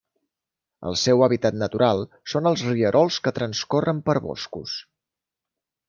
El seu hàbitat natural són els rierols que transcorren per boscos.